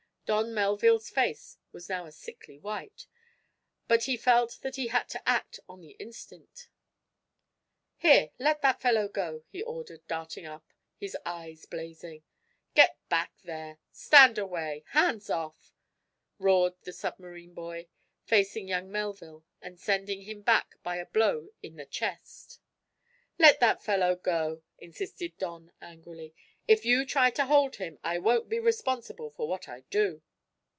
Don Melville's face was now a sickly white, but he felt that he had to act on the instant. "Here, let that fellow go," he ordered, darting up, his eyes blazing. "Get back there! Stand away! Hands off!" roared the submarine boy, facing young Melville and sending him back by a blow in the chest. "Let that fellow go!" insisted Don, angrily. "If you try to hold him, I won't be responsible for what I do!"